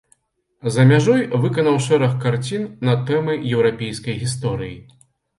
За мяжой выканаў шэраг карцін на тэмы еўрапейскай гісторыі.